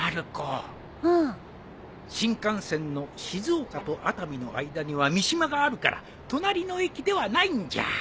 新幹線の静岡と熱海の間には三島があるから隣の駅ではないんじゃ。